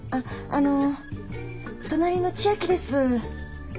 あのう隣の千明です。